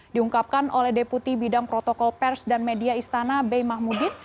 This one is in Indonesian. diungkapkan oleh deputi bidang protokol pers dan media istana bey mahmudin